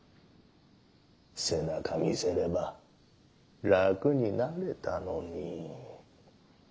背中見せれば楽になれたのにッ。